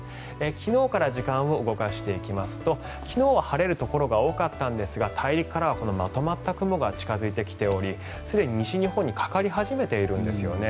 昨日から時間を動かしていきますと昨日は晴れるところが多かったんですが大陸からはまとまった雲が近付いてきておりすでに西日本にかかり始めているんですよね。